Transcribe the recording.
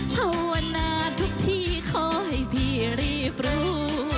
ภาวนาทุกทีขอให้พี่รีบรู้